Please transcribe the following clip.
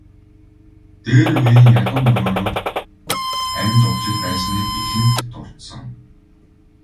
Дээр үеийн ядуу мөрөөрөө амь зуугчид байсныг эхэнд дурдсан.